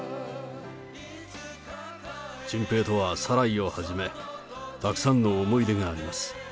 チンペイとはサライをはじめ、たくさんの思い出があります。